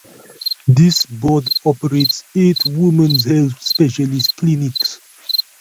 This board operates eight Women's Health Specialist Clinics.